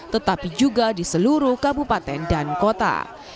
tetapi juga di seluruh kabupaten dan kota